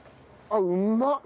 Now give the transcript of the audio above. あっうまっ！